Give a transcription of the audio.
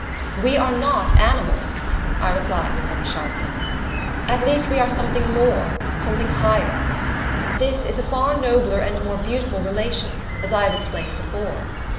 "We are not animals!" I replied with some sharpness. "At least we are something more something higher. This is a far nobler and more beautiful relation, as I have explained before.